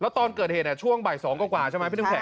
แล้วตอนเกิดเหตุช่วงบ่ายสองกว่าใช่ไหม